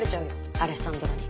アレッサンドロに。